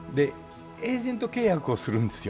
エージェント契約をするんですよ。